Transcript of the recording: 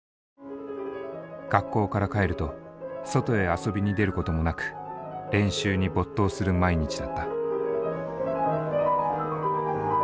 学校から帰ると外へ遊びに出ることもなく練習に没頭する毎日だった。